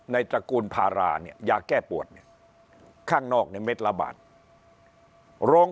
ตระกูลพาราเนี่ยยาแก้ปวดเนี่ยข้างนอกเนี่ยเม็ดละบาทโรง